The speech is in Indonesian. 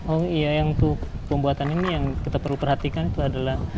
oh iya yang untuk pembuatan ini yang kita perlu perhatikan itu adalah